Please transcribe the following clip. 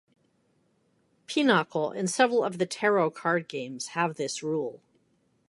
Pinochle and several of the Tarot card games have this rule.